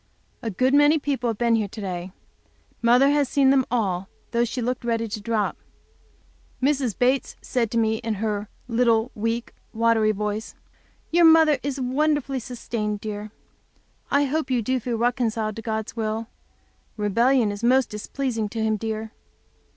A good many people have been here to day. Mother has seen them all, though she looked ready to drop. Mrs. Bates said to me, in her little, weak, watery voice: "Your mother is wonderfully sustained, dear. I hope you feel reconciled to God's will. Rebellion is most displeasing to Him, dear."